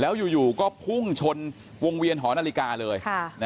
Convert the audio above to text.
แล้วอยู่ก็พุ่งชนวงเวียนหอนาฬิกาเลย